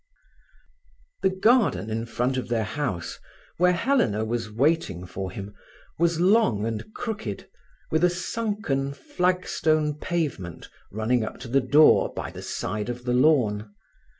The garden in front of their house, where Helena was waiting for him, was long and crooked, with a sunken flagstone pavement running up to the door by the side of the lawn.